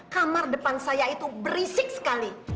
kamar depan saya itu berisik sekali